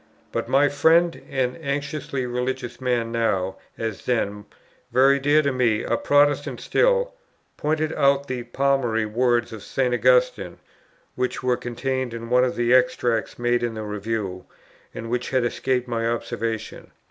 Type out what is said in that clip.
But my friend, an anxiously religious man, now, as then, very dear to me, a Protestant still, pointed out the palmary words of St. Augustine, which were contained in one of the extracts made in the Review, and which had escaped my observation.